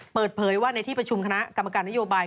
เปิดเผยว่าในที่ประชุมคณะกรรมการนโยบาย